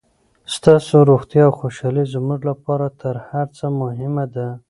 ستاسو روغتیا او خوشحالي زموږ لپاره تر هر څه مهمه ده.